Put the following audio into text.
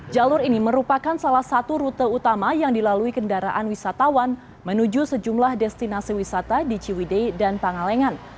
jalur ini merupakan salah satu rute utama yang dilalui kendaraan wisatawan menuju sejumlah destinasi wisata di ciwidei dan pangalengan